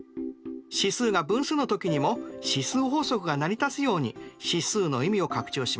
指数が分数の時にも指数法則が成り立つように指数の意味を拡張しました。